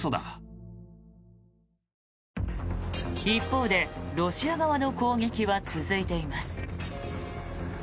一方でロシア側の攻撃は続いています。